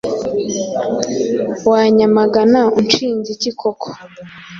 Wanyamagana unshinja iki koko?